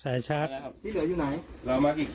สายชาร์จด้วย